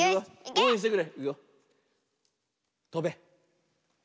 おうえんしてね！